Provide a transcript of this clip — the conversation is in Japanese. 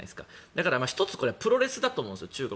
だから１つこれはプロレスだと思うんです。